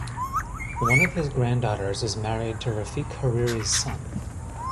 One of his granddaughters is married to Rafik Hariri's son.